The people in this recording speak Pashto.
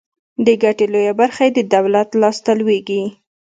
د ګټې لویه برخه یې د دولت لاس ته لویږي.